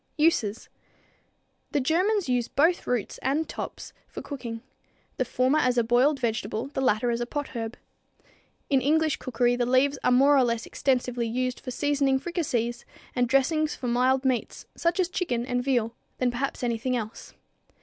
Uses. The Germans use both roots and tops for cooking; the former as a boiled vegetable, the latter as a potherb. In English cookery the leaves are more extensively used for seasoning fricassees and dressings for mild meats, such as chicken and veal, than perhaps anything else.